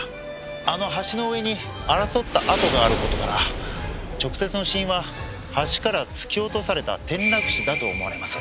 あの橋の上に争った跡がある事から直接の死因は橋から突き落とされた転落死だと思われます。